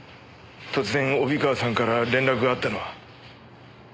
突然帯川さんから連絡があったのは。